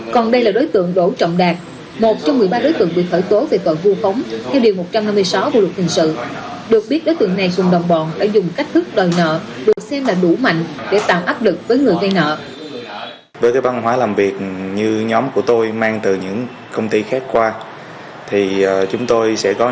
còn đây là đối tượng rỗ trọng đạt một trong một mươi ba đối tượng bị thở tố về tội vô khống